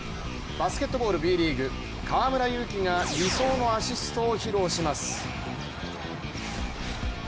バスケットボールＢリーグ、河村勇輝が理想のアシストを披露します。